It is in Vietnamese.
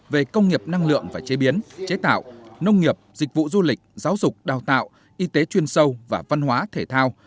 về công nghiệp năng lượng và chế biến chế tạo nông nghiệp dịch vụ du lịch giáo dục đào tạo y tế chuyên sâu và văn hóa thể thao